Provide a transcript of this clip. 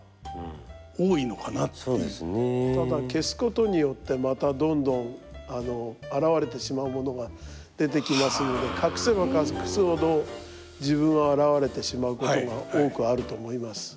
ただ消すことによってまたどんどんあらわれてしまうものが出てきますので隠せば隠すほど自分があらわれてしまうことが多くあると思います。